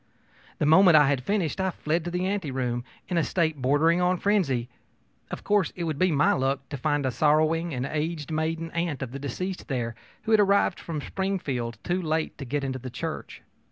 The moment I had finished, I fled to the anteroom in a state bordering on frenzy. Of course it would be my luck to find a sorrowing and aged maiden aunt of the deceased there, who had arrived from Springfield too late to get into the church.